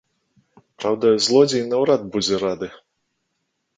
Праўда, злодзей наўрад будзе рады.